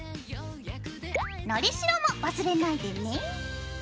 のりしろも忘れないでね。